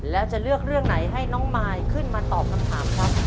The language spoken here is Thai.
แล้วจะเลือกเรื่องไหนให้น้องมายขึ้นมาตอบคำถามครับ